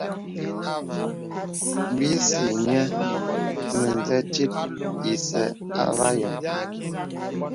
Bisi nyɛ mə̀zə tit ǐsə iva yɔŋ.